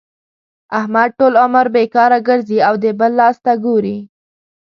احمد ټول عمر بېکاره ګرځي او د بل لاس ته ګوري.